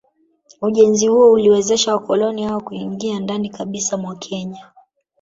Ujenzi huo uliwezesha wakoloni hao kuingia ndani kabisa mwa Kenya